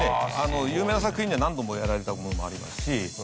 有名な作品には何度もやられたものもありますし。